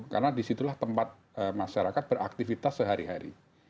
karena disitulah tempat masyarakat beraktifitas sehari hari